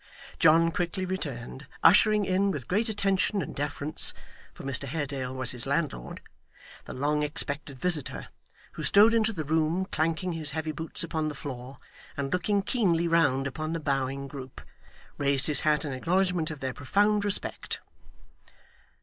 John quickly returned, ushering in with great attention and deference (for Mr Haredale was his landlord) the long expected visitor, who strode into the room clanking his heavy boots upon the floor; and looking keenly round upon the bowing group, raised his hat in acknowledgment of their profound respect.